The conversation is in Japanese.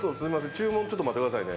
注文ちょっと待ってくださいね